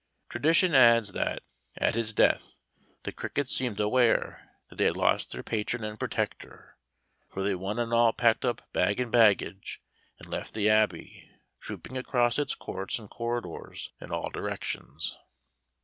Tradition adds that, at his death, the crickets seemed aware that they had lost their patron and protector, for they one and all packed up bag and baggage, and left the Abbey, trooping across its courts and corridors in all directions.